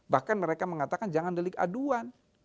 bahkan mereka mengatakan jangan delik aduan